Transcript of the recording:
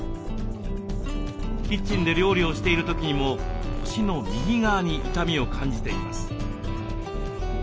キッチンで料理をしている時にも腰の右側に痛みを感じています。